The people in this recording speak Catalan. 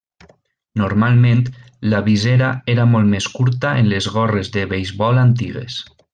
Normalment, la visera era molt més curta en les gorres de beisbol antigues.